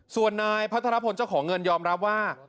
ส่วนนายพัทรพลเจ้าของเงินยอมรับว่า